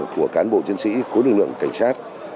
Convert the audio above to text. của cán bộ chiến sĩ khối lực lượng cảnh sát